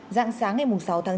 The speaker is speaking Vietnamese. giang sáng ngày sáu tháng